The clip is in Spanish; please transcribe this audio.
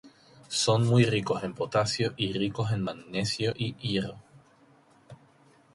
Son muy ricos en potasio y ricos en magnesio y hierro.